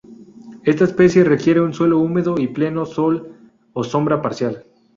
Esta especie requiere un suelo húmedo y pleno sol o sombra parcial.